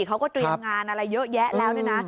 เขาก็เตรียมงานอะไรเยอะแยะแล้วเนี่ยนะ